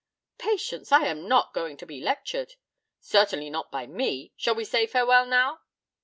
'Patience, I am not going to be lectured.' 'Certainly not by me. Shall we say farewell now?'